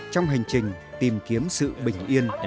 trong hành trình tìm kiếm sự bình yên